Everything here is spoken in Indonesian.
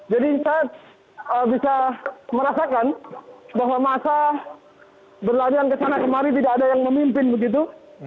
jadi saya bisa merasakan bahwa masa berlalu yang ke sana kemari tidak ada yang memimpin begitu